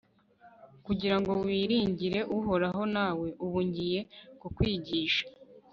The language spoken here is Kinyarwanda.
kugira ngo wiringire uhoraho ,nawe, ubu ngiye kukwigisha.